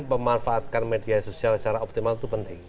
memanfaatkan media sosial secara optimal itu penting